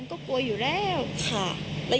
ก็กลัวอยู่ป่านหรอก